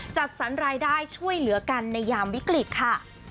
จัดสรรรายได้ช่วยเหลือกันในยามวิกฤตค่ะ